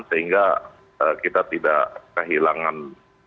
sehingga kita tidak kehilangan